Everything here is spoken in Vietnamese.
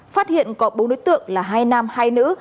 phát hiện có bốn đối tượng là hai nam hai nữ